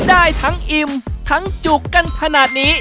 ได้ทั้งอิ่มทั้งจุกกันขนาดนี้